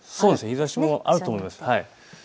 日ざしもあると思います。